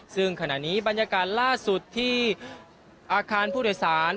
ซึ่งขณะนี้บรรยากาศล่าสุดที่อาคารผู้โดยสาร